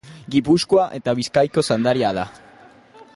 Gipuzkoa eta Bizkaiko zaindaria da.